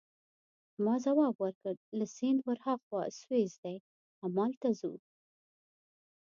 ما ځواب ورکړ: له سیند ورهاخوا سویس دی، همالته ځو.